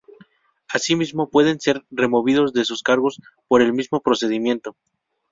Asimismo, pueden ser removidos de sus cargos por el mismo procedimiento.